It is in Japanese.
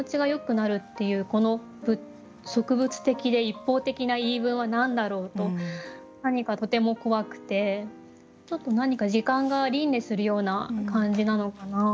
なる」っていうこの即物的で一方的な言い分は何だろうと何かとても怖くてちょっと何か時間が輪廻するような感じなのかな。